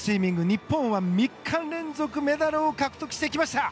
日本は３日連続メダルを獲得してきました！